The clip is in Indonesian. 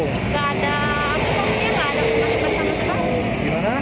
gak ada persamaan persamaan